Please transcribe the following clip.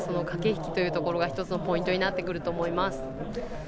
駆け引きというところが１つのポイントになってきます。